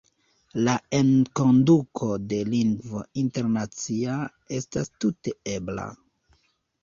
La enkonduko de lingvo internacia estas tute ebla;.